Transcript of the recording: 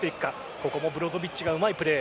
ここもブロゾヴィッチがうまいプレー。